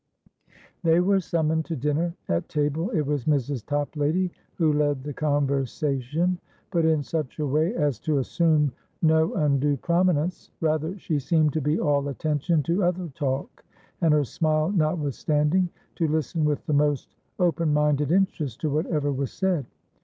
They were summoned to dinner. At table it was Mrs. Toplady who led the conversation, but in such a way as to assume no undue prominence, rather she seemed to be all attention to other talk, and, her smile notwithstanding, to listen with the most open minded interest to whatever was said.